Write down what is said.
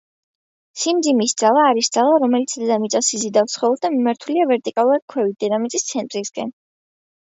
სიმძიმის ძალა არის ძალა, რომლოთაც დედამიწა იზიდავს სხეულს და მიმართულია ვერტიკალურად ქვევით, დედამიწის ცენტრისაკენ.